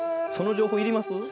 その情報要ります？